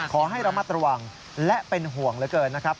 ขอให้ระมัดระวังและเป็นห่วงเหลือเกินนะครับ